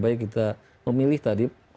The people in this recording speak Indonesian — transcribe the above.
baik kita memilih tadi